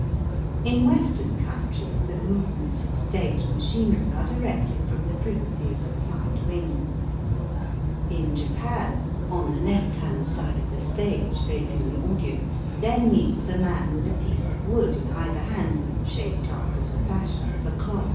In Western countries the movements of stage machinery are directed from the privacy of the side wings. In Japan, on the left hand side of the stage facing the audience, there kneels a man with a piece of wood in either hand, shaped after the fashion of a clog.